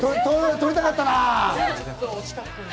取りたかったな。